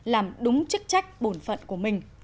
làm đúng chức trách bổn phận của mình